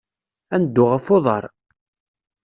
Ad neddu ɣef uḍar.